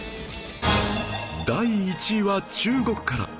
第１位は中国から